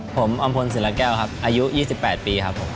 ผมอมพลศิลาแก้วครับอายุ๒๘ปีครับครับ